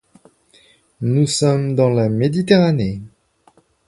Nous sommes dans la Méditerranée.